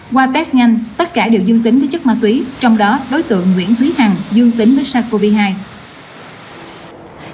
qua test nhanh tất cả đều dương tính với chất ma túy trong đó đối tượng nguyễn thúy hằng dương tính với sars cov hai